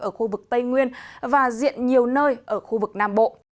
ở khu vực tây nguyên và diện nhiều nơi ở khu vực nam bộ